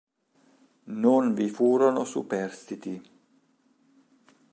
Non vi furono superstiti.